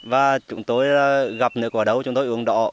và chúng tôi gặp nước ở đâu chúng tôi uống đỏ